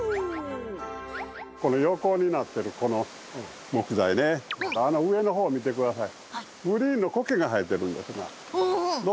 この横になってるこの木材あの上の方、見てください。